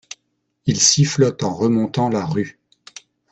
Il sifflote en remontant la rue.